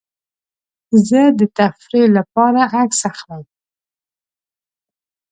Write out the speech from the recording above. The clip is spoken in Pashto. زه د تفریح لپاره عکس اخلم.